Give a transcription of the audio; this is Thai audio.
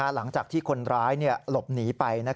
หลังจากที่คนร้ายหลบหนีไป